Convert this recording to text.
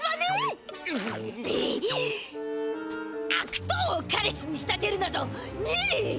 悪党を彼氏に仕立てるなどニリン！